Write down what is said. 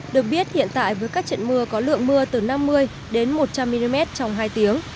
được biết hiện tại với các trận mưa có lượng mưa từ năm mươi đến một trăm linh mm trong hai tiếng